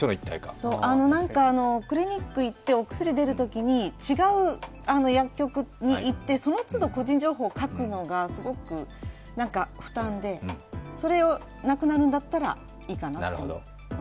クリニックに行ってお薬が出るときに違う薬局に行って、そのつど個人情報を書くのがすごく負担で、それがなくなるんだったらいいかなと。